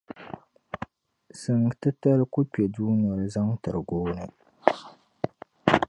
Siŋ’ titali ku kpe dunoli zaŋ tiri gooni.